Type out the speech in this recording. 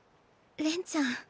恋ちゃん。